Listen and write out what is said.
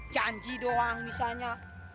janji doang misalnya